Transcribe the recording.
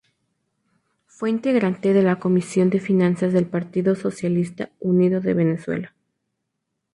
Fue integrante de la Comisión de Finanzas del Partido Socialista Unido de Venezuela.